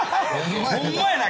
ホンマやな。